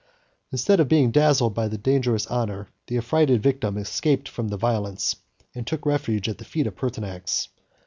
Instead of being dazzled by the dangerous honor, the affrighted victim escaped from their violence, and took refuge at the feet of Pertinax.